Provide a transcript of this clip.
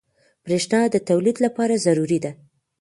بریښنا د تولید لپاره ضروري ده.